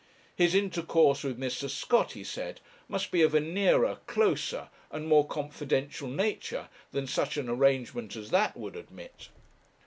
His intercourse with Mr. Scott, he said, must be of a nearer, closer, and more confidential nature than such an arrangement as that would admit.